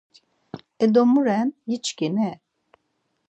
E do mu ren giçkini?